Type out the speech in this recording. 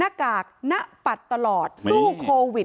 นักกากนะปัดตลอดสู้โควิด๑๙